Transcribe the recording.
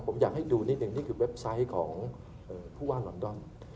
ผมอยากให้ดูนิดหนึ่งนี่คือเว็บไซต์ของผู้ว่าลอนดอน